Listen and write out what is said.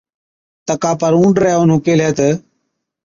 تڪا پر اُونڏرَي اونهُون ڪيهلَي تہ،